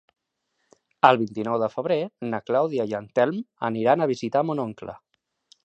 El vint-i-nou de febrer na Clàudia i en Telm aniran a visitar mon oncle.